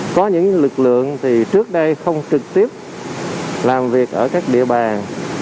có những lực lượng thì trước đây không trực tiếp làm việc ở các địa bàn